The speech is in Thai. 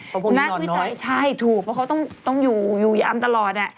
ประโบกลงนอนน้อยใช่ถูกเพราะเขาต้องอยู่อำตลอด